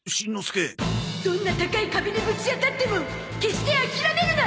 「どんな高い壁にぶち当たっても決して諦めるな！」。